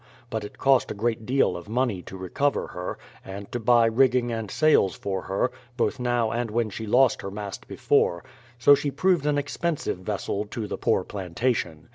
But it cost a great deal of money to recover her, and to buy rigging and sails for her, both now and when she lost her mast before; so she proved an expensive vessel to the poor plantation.